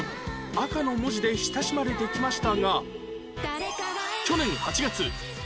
赤の文字で親しまれてきましたが